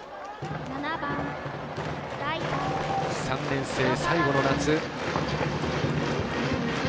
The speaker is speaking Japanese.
３年生、最後の夏。